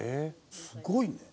すごいね。